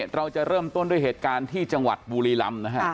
เราจะเริ่มต้นด้วยเหตุการณ์ที่จังหวัดบุรีลำนะฮะ